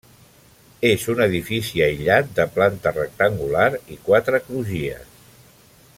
És un edifici aïllat de planta rectangular i quatre crugies.